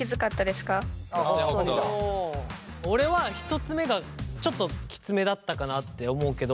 俺は１つ目がちょっとキツめだったかなって思うけど。